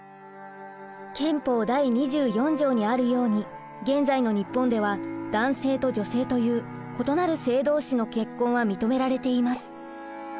憲法第２４条にあるように現在の日本では男性と女性という異なる性同士の結婚は認められています。